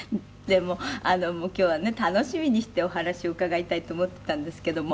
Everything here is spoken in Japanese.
でも今日はね楽しみにしてお話を伺いたいと思っていたんですけども。